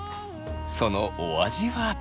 そのお味は？